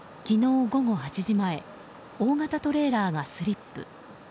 昨日午後８時前大型トレーラーがスリップ。